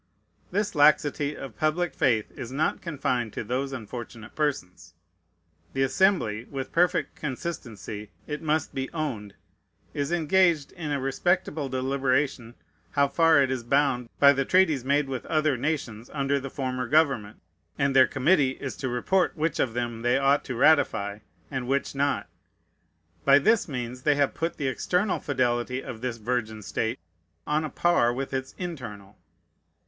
This laxity of public faith is not confined to those unfortunate persons. The Assembly, with perfect consistency, it must be owned, is engaged in a respectable deliberation how far it is bound by the treaties made with other nations under the former government; and their committee is to report which of them they ought to ratify, and which not. By this means they have put the external fidelity of this virgin state on a par with its internal.